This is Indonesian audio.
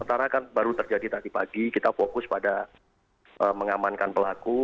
sementara kan baru terjadi tadi pagi kita fokus pada mengamankan pelaku